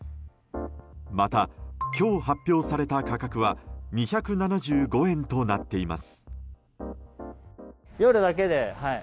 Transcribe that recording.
また、今日発表された価格は２７５円となっています。